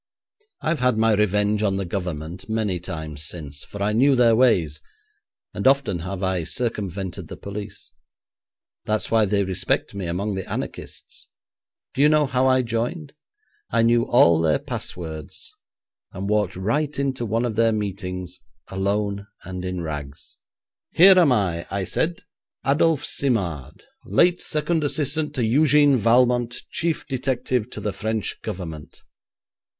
I've had my revenge on the Government many times since, for I knew their ways, and often have I circumvented the police. That's why they respect me among the anarchists. Do you know how I joined? I knew all their passwords, and walked right into one of their meetings, alone and in rags. '"Here am I," I said; "Adolph Simard, late second assistant to Eugène Valmont, chief detective to the French Government."